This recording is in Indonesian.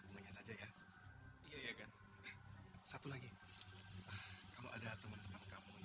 bunganya saja ya iya ya gan satu lagi kalau ada teman teman kamu yang